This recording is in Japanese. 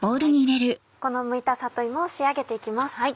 このむいた里芋を仕上げて行きます。